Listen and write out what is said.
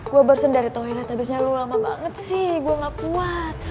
gue bersen dari toilet habisnya lo lama banget sih gue gak kuat